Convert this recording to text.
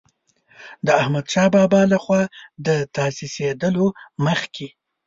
د احمدشاه بابا له خوا د تاسیسېدلو مخکې.